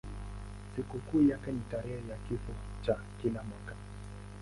Sikukuu yake ni tarehe ya kifo chake kila mwaka.